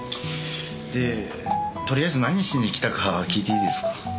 でとりあえず何しに来たか聞いていいですか？